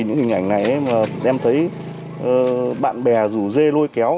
những hình ảnh này em thấy bạn bè rủ dê lôi kéo